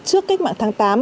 trước cách mạng tháng tám